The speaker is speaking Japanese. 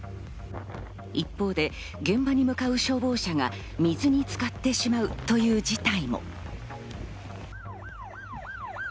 一方で、現場に向かう消防車が水に浸かってしまうという事態も。